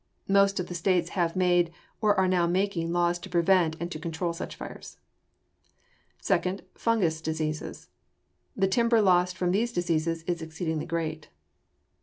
Most of the states have made or are now making laws to prevent and to control such fires. Second, fungous diseases. The timber loss from these diseases is exceedingly great.